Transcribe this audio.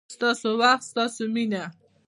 ستاسو وخت، ستاسو مینه